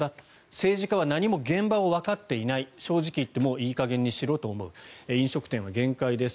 政治家は何も現場をわかっていない正直言ってもういい加減にしろと思う飲食店は限界です。